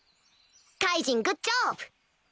カイジングッジョブ！